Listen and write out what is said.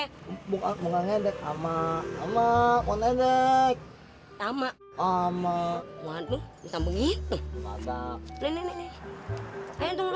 hai buah mengendek sama sama onendek sama sama waduh sama gitu